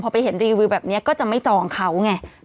พอไปเรียกก็จะไม่จองเขาไง